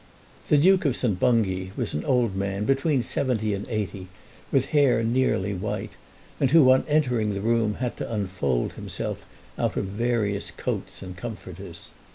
The Duke of St. Bungay was an old man, between seventy and eighty, with hair nearly white, and who on entering the room had to unfold himself out of various coats and comforters.